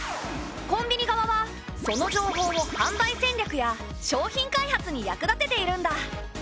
コンビニ側はその情報を販売戦略や商品開発に役立てているんだ。